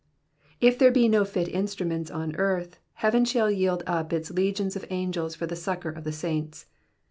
'*'* If there be no fit instruments on earth, heaven shall yield up its legions of angels for the succour of the saints.